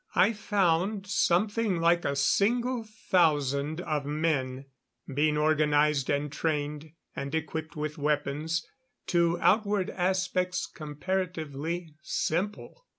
I found something like a single thousand of men being organized and trained. And equipped with weapons to outward aspects comparatively simple.